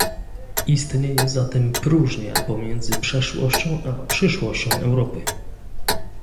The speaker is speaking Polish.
Istnieje zatem próżnia pomiędzy przeszłością a przyszłością Europy"